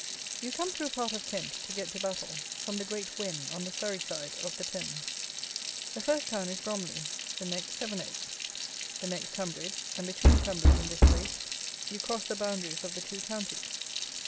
You come through part of Kent to get to Battle from the Great Wen on the Surrey side of the Thames. The first town is Bromley, the next Seven Oaks, the next Tunbridge, and between Tunbridge and this place you cross the boundaries of the two counties.